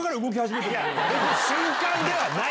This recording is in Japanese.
別に瞬間ではない！